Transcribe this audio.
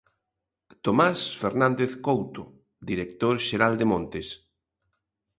Tomás Fernández Couto, Director xeral de Montes.